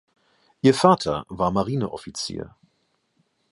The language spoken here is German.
Ihr Vater war Marineoffizier.